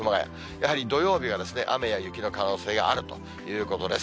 やはり土曜日は雨や雪の可能性があるということです。